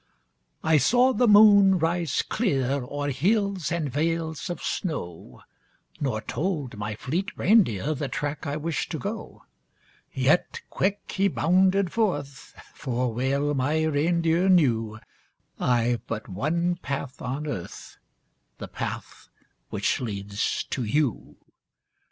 I saw the moon rise clear O'er hills and vales of snow Nor told my fleet reindeer The track I wished to go. Yet quick he bounded forth; For well my reindeer knew I've but one path on earth The path which leads to you.